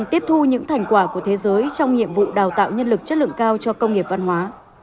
thế giới trong nhiệm vụ đào tạo nhân lực chất lượng cao cho công nghiệp văn hóa